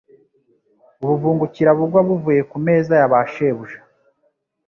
ubuvungukira bugwa buvuye ku meza ya ba shebuja."